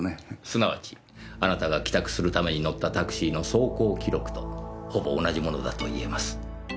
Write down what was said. すなわちあなたが帰宅するために乗ったタクシーの走行記録とほぼ同じものだといえます。